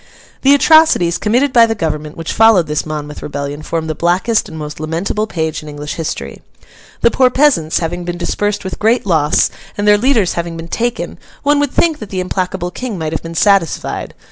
The atrocities, committed by the Government, which followed this Monmouth rebellion, form the blackest and most lamentable page in English history. The poor peasants, having been dispersed with great loss, and their leaders having been taken, one would think that the implacable King might have been satisfied.